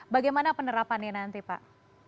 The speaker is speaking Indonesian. bagaimana penerapan ini nanti pak